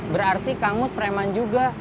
berarti kangus preman juga